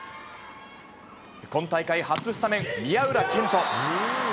今大会初スタメン、宮浦健人。